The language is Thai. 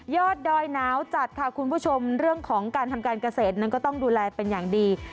ดอยหนาวจัดค่ะคุณผู้ชมเรื่องของการทำการเกษตรนั้นก็ต้องดูแลเป็นอย่างดี